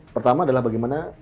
pertama adalah bagaimana